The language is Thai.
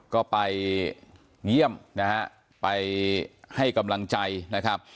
ก็ไปเยี่ยมนะฮะไปให้กำลังใจนะครับ